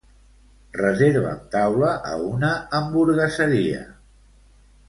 Reserva'm taula a una hamburgueseria.